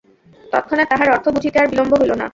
তৎক্ষণাৎ তাহার অর্থ বুঝিতে আর বিলম্ব হইল না।